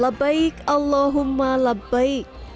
la baik allahumma la baik